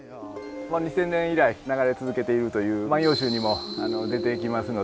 ２，０００年以来流れて続けているという「万葉集」にも出てきますので。